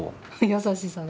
優しさが。